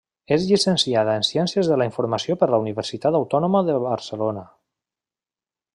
És llicenciada en Ciències de la Informació per la Universitat Autònoma de Barcelona.